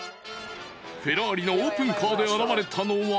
［フェラーリのオープンカーで現れたのは］